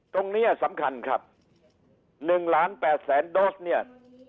ตรงนี้สำคัญครับ๑๘๐๐๐๐๐โดสเนี่ย